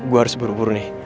gue harus buru buru nih